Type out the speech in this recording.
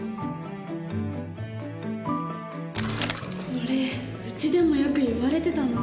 これうちでもよく言われてたな。